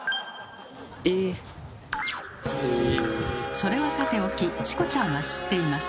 それはさておきチコちゃんは知っています。